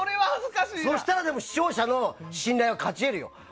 そうしたら、視聴者の信頼を勝ち得るよ！